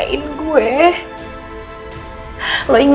karena diri there are ingat